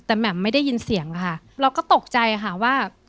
แต่แหม่มไม่ได้ยินเสียงค่ะเราก็ตกใจค่ะว่า